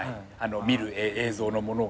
見る映像のものが。